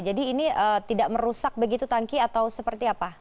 jadi ini tidak merusak begitu tanki atau seperti apa